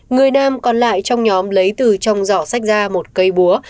người nam còn lại trong nhóm lấy từ trong giỏ sách ra một cây búa